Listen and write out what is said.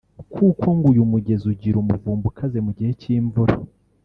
kuko ngo uyu mugezi ugira umuvumba ukaze mu gihe cy’imvura